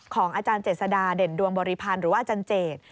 อาจารย์เจษดาเด่นดวงบริพันธ์หรือว่าอาจารย์เจต